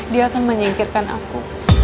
dia akan menyingkirkan aku